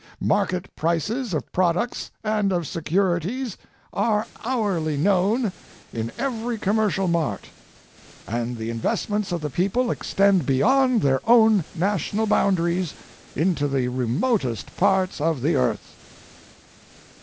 Market prices of products and of securities are hourly 6 Last Speech of William McKinley. known in every commercial mart, and the investments of the people extend beyond their own national bound aries into the remotest parts of the earth.